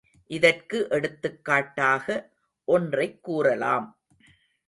இதற்கு எடுத்துக்காட்டாக ஒன்றைக் கூறலாம்.